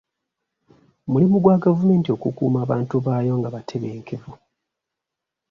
Mulimu gwa gavumenti okukuuma abantu baayo nga batebenkevu.